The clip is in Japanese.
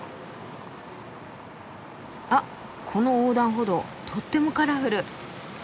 あっこの横断歩道とってもカラフル。